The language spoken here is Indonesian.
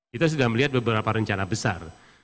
kita sudah melihat beberapa rencana besar